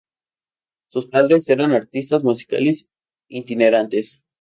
Sus padres eran artistas musicales itinerantes.